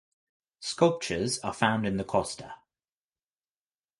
Sculptures are found in the kosta.